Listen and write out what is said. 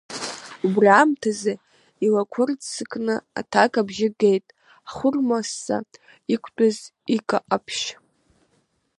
Убри аамҭазы илақәрыццакны аҭак абжьы геит, ҳхәырма-сса иқәтәаз ика-ҟаԥшь.